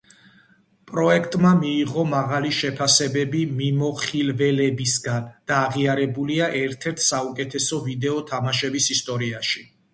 პროექტმა მიიღო მაღალი შეფასებები მიმოხილველებისგან და აღიარებულია ერთ-ერთ საუკეთესოდ ვიდეო თამაშების ისტორიაში.